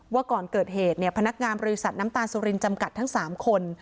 ว่าก่อนเกิดเหตุพนักงานบริษัทน้ำตาลสุรินจำกัดทั้ง๓คน